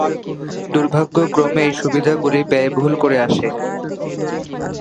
দুর্ভাগ্যক্রমে, এই সুবিধাগুলি ব্যয়বহুল করে আসে।